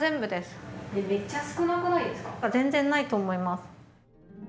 全然ないと思います。